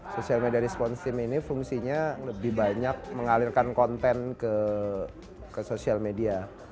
social media response team ini fungsinya lebih banyak mengalirkan konten ke social media